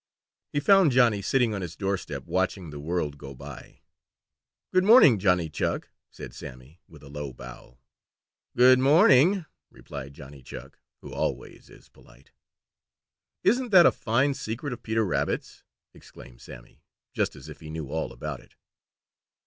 He found Johnny sitting on his doorstep, watching the world go by. "Good morning, Johnny Chuck," said Sammy, with a low bow. "Good morning," replied Johnny Chuck, who always is polite. "Isn't that a fine secret of Peter Rabbit's?" exclaimed Sammy, just as if he knew all about it.